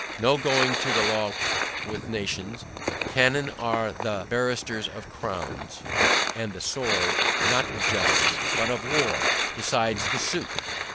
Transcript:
No going to law with nations; cannon are the barristers of Crowns; and the sword, not of justice, but of war, decides the suit.